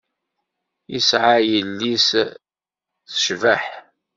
Yesεa yelli-s tecbeḥ.